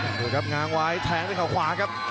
ดูครับง้างไว้แทงด้วยเขาขวาครับ